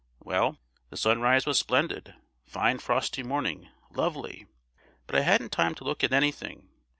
Well, the sunrise was splendid—fine frosty morning—lovely! but I hadn't time to look at anything.